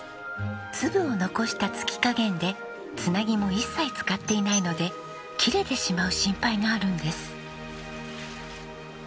粒を残した搗き加減でつなぎも一切使っていないので切れてしまう心配があるんです。